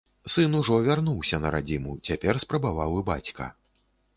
Сын ужо вярнуўся на радзіму, цяпер спрабаваў і бацька.